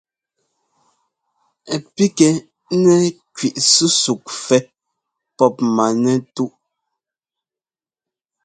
Ɛ píkŋɛ nɛ́ kẅí súsúk fɛ́ pɔp manɛ́ntúʼ.